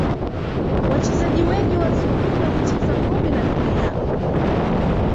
Wachezaji wengi wazuri walicheza kombe la dunia